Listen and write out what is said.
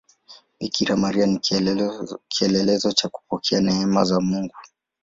Bikira Maria ni kielelezo cha kupokea neema za Mungu.